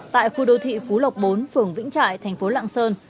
tại khu đô thị phú lộc bốn phường vĩnh trại thành phố lạng sơn